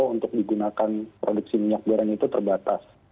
untuk digunakan produksi minyak goreng itu terbatas